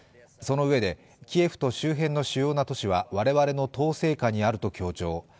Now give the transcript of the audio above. そのうえで、キエフと周辺の主要な都市は我々の統制下にあると強調。